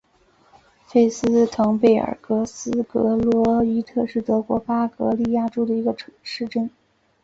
费斯滕贝尔格斯格罗伊特是德国巴伐利亚州的一个市镇。